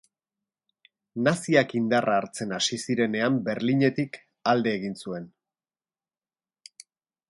Naziak indarra hartzen hasi zirenean, Berlinetik alde egin zuen.